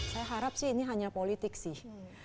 saya harap sih ini hanya politik sih